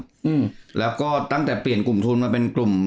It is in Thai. การเข้าใจอาจเริ่มใหญ่ตั้งแต่ปลี่กลุ่มทุนมาเป็นกลุ่ม